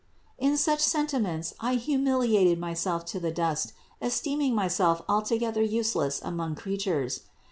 In such sentiments I humiliated myself to the dust, esteeming myself altogether useless among creatures.